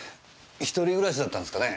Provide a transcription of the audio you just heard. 一人暮らしだったんすかね？